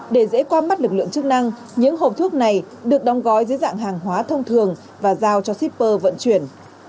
để dễ qua mắt lực lượng chức năng những hộp thuốc này được đong gói dưới dạng hàng hóa thông thường và giao cho shipper vận chuyển